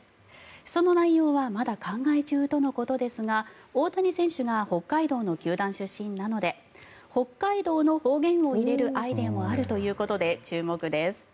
その内容はまだ考え中とのことですが大谷選手が北海道の球団出身なので北海道の方言を入れるアイデアもあるということで注目です。